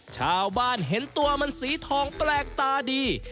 ชาวบ้านเห็นตัวมันสีทองแปลกตาดี